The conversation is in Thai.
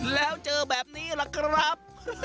แล้วเจอแบบนี้ล่ะครับ